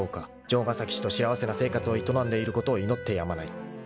［城ヶ崎氏と幸せな生活を営んでいることを祈ってやまない］